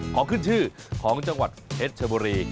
ของขึ้นชื่อของจังหวัดเพชรชบุรี